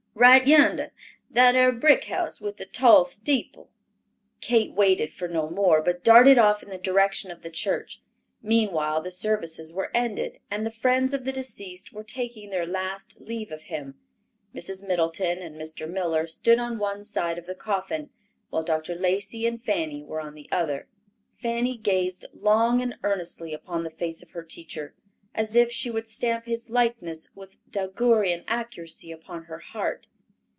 "Right yender; that ar brick house with the tall steeple." Kate waited for no more, but darted off in the direction of the church. Meanwhile the services were ended, and the friends of the deceased were taking their last leave of him. Mrs. Middleton and Mr. Miller stood on one side of the coffin, while Dr. Lacey and Fanny were on the other. Fanny gazed long and earnestly upon the face of her teacher, as if she would stamp his likeness with daguerrean accuracy upon her heart.